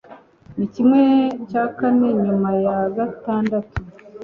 Ni kimwe cya kane nyuma ya gatandatu.